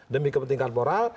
demi kepentingan moral